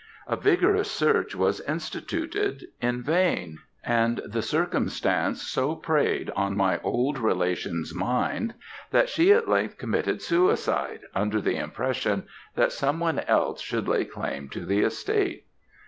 A vigorous search was instituted, in vain; and the circumstance so preyed on my old relation's mind that she at length committed suicide, under the impression that some one else would lay claim to the estate.